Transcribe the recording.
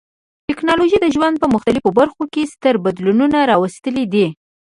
ټکنالوژي د ژوند په مختلفو برخو کې ستر بدلونونه راوستلي دي.